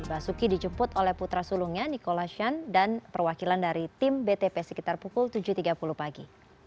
basuki dijemput oleh putra sulungnya nikola shan dan perwakilan dari tim btp sekitar pukul tujuh tiga puluh pagi